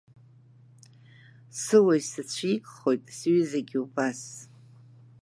Суа исыцәигхоит, сҩызагьы убас.